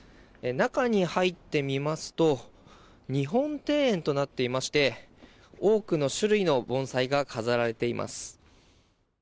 中に入ってみますと日本庭園となっていまして多くの種類の盆栽が飾られています。